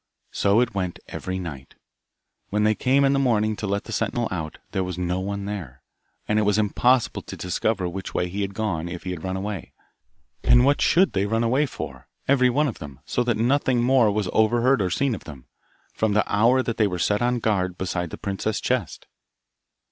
So it went every night. When they came in the morning to let the sentinel out, there was no one there, and it was impossible to discover which way he had gone if he had run away. And what should they run away for, every one of them, so that nothing more was over heard or seen of them, from the hour that they were set on guard beside the princess's chest?